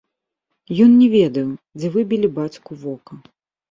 Ён не ведаў, дзе выбілі бацьку вока.